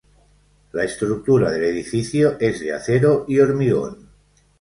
La estructura del edificio es de acero y hormigón.